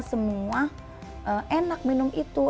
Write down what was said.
semua enak minum itu